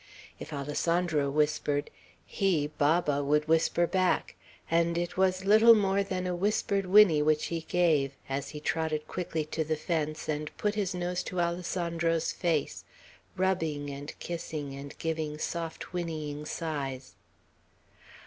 If Alessandro whispered, he, Baba, would whisper back; and it was little more than a whispered whinny which he gave, as he trotted quickly to the fence, and put his nose to Alessandro's face, rubbing and kissing and giving soft whinnying sighs.